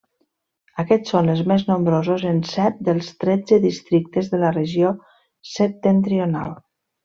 Aquests són els més nombrosos en set dels tretze districtes de la regió Septentrional.